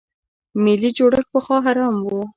ملي جوړښت پخوا حرام و.